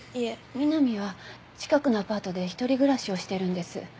美波は近くのアパートで一人暮らしをしてるんです。